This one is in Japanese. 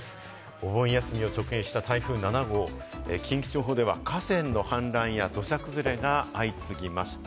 お盆休みを直撃した台風７号、近畿地方では河川の氾濫や土砂崩れが相次ぎました。